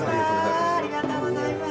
ありがとうございます。